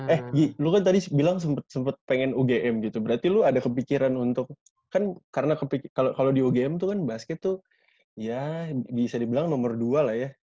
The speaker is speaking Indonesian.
eh gi lo kan tadi bilang sempat pengen ugm gitu berarti lu ada kepikiran untuk kan karena kalau di ugm tuh kan basket tuh ya bisa dibilang nomor dua lah ya